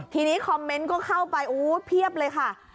ทีนี้คอมเมนต์ก็เข้าไปเพียบเลยค่ะ